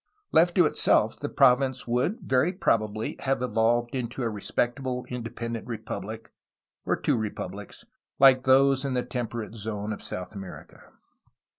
Left to itself the province would very probably have evolved into a re spectable independent republic, — or two republics, — Hke those in the temperate zone of South America.